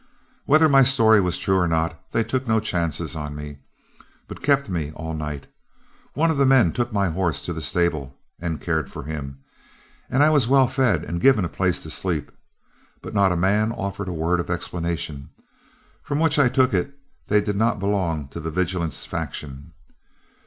Whether my story was true or not, they took no chances on me, but kept me all night. One of the men took my horse to the stable and cared for him, and I was well fed and given a place to sleep, but not a man offered a word of explanation, from which I took it they did not belong to the vigilance faction.